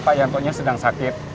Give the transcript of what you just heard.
pak yantonya sedang sakit